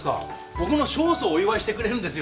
僕の勝訴をお祝いしてくれるんですよね？